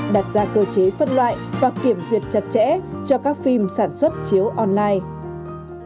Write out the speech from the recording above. đặt ra cơ chế phân loại và kiểm duyệt chặt chẽ cho các phim sản xuất chiếu online